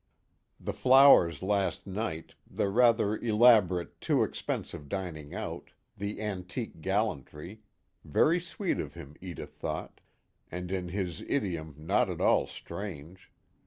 The flowers last night, the rather elaborate too expensive dining out, the antique gallantry very sweet of him, Edith thought, and in his idiom not at all strange.